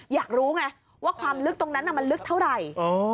อยากรู้ไงว่าความลึกตรงนั้นมันลึกเท่าไหร่